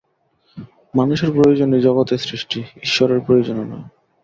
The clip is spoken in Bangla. মানুষের প্রয়োজনেই জগতের সৃষ্টি, ঈশ্বরের প্রয়োজনে নয়।